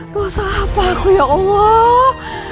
dosa apa aku ya allah